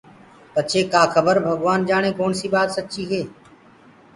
پڇي ڪآ کبر ڀگوآن جآڻي ڪوڻسي ٻآت سچي هي